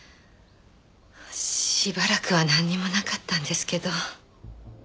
しばらくはなんにもなかったんですけど。